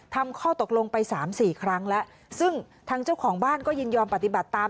ข้อตกลงไปสามสี่ครั้งแล้วซึ่งทางเจ้าของบ้านก็ยินยอมปฏิบัติตาม